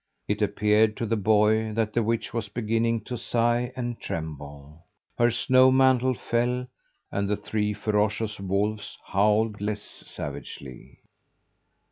It appeared to the boy that the witch was beginning to sigh and tremble. Her snow mantle fell, and the three ferocious wolves howled less savagely.